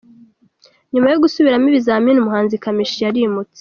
Nyuma yo gusubiramo ibizamini umuhanzi Kamichi yarimutse